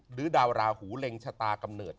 ดาวราหูเล็งชะตากำเนิด